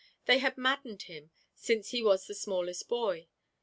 They had maddened him since he was the smallest boy.